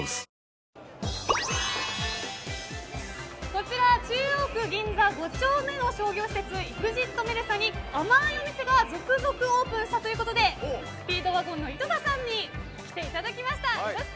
こちら、中央区銀座５丁目の商業施設ＥＸＩＴＭＥＬＳＡに甘いお店が続々とオープンしたということでスピードワゴンの井戸田さんに来ていただきました。